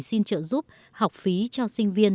xin trợ giúp học phí cho sinh viên